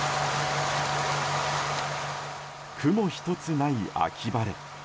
雲ひとつない秋晴れ。